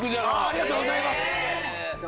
ありがとうございます。